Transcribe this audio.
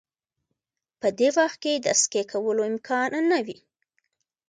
په دې وخت کې د سکی کولو امکان نه وي